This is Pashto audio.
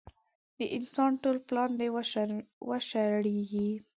د انسان ټول پلان دې وشړېږي.